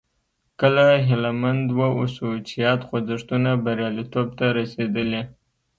کله هیله مند واوسو چې یاد خوځښتونه بریالیتوب ته رسېدلي.